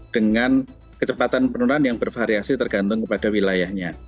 dengan kecepatan penurunan yang bervariasi tergantung kepada wilayahnya